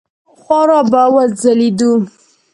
خورا به وځلېدو.